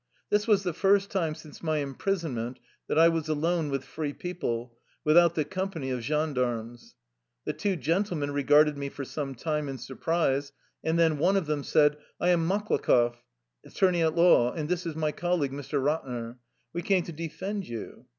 This was the first time since my imprisonment that I was alone with free people, without the company of gen darmes. The two gentlemen regarded me for some time in surprise, and then one of them said :" I am Maklakoff, attomey at law, and this is my colleague, Mr. Eatner. We came to defend you.